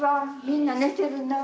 みんな寝てるな。